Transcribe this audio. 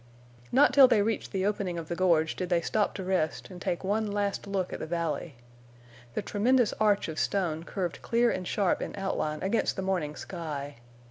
Not till they reached the opening of the gorge did they stop to rest and take one last look at the valley. The tremendous arch of stone curved clear and sharp in outline against the morning sky.